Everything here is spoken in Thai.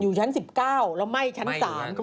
อยู่ชั้น๑๙แล้วไหม้ชั้น๓